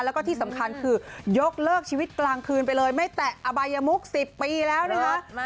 แล้วก็ที่สำคัญคือยกเลิกชีวิตกลางคืนไปเลยไม่แตะอบายมุก๑๐ปีแล้วนะคะ